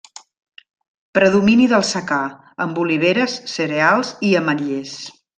Predomini del secà amb oliveres, cereals i ametllers.